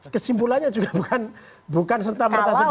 kesimpulannya juga bukan serta merta seperti itu